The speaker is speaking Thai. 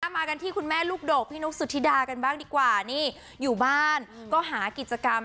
มากันที่คุณแม่ลูกโดกพี่นุ๊กสุธิดากันบ้างดีกว่านี่อยู่บ้านก็หากิจกรรม